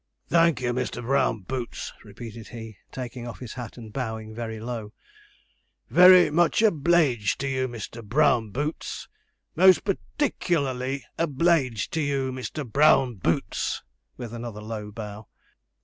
'Thank you, Mr. Brown Boots,' repeated he, taking off his hat and bowing very low. 'Very much obl_e_ged to you, Mr. Brown Boots. Most particklarly obl_e_ged to you, Mr. Brown Boots,' with another low bow.